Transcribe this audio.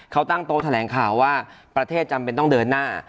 เขาตั้งโต๊ะแถลงข่าวว่าประเทศจำเป็นต้องเดินหน้า